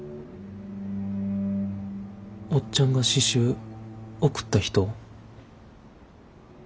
おっちゃんが詩集贈った人？